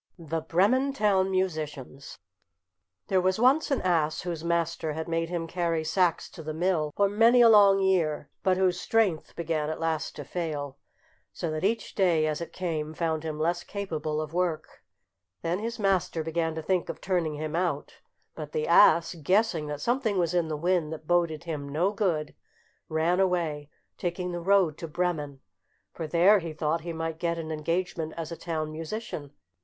THE BREMEN TOWN MUSICIANS THERE was once an ass whose master had made him carry sacks to the mill for many a long year, but whose strength began at last to fail, so that each day as it came found him less capable of work. Then his master began to think of turning him out, but the ass, guessing that something was in the wind that boded him no good, ran away, taking the road to Bremen; for there he thought he might get an engagement as town musician.